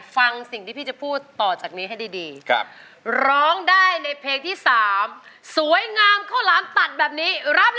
ฟังสิ่งที่พี่จะพูดต่อจากนี้ให้ดี